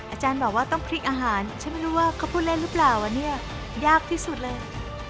อาจารย์บอกว่าต้องพลิกอาหารฉันไม่รู้ว่าเขาพูดเล่นหรือเปล่าวะเนี่ยยากที่สุดเลย